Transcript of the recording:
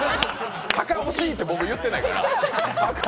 墓、惜しいって僕、言ってないですから。